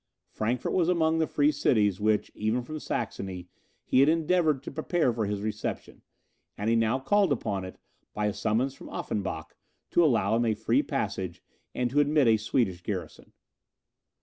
Frankfort was among the free cities which, even from Saxony, he had endeavoured to prepare for his reception; and he now called upon it, by a summons from Offenbach, to allow him a free passage, and to admit a Swedish garrison.